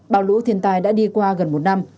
bảo lũ thiên tai đã đi qua gần một năm